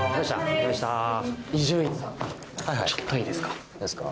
ちょっといいですか？